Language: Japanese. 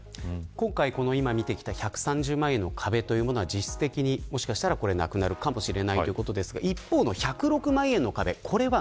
今回、今見てきた１３０万の壁というものは実質的に、もしかしたらなくなるかもしれないということですが一方の１０６万円の壁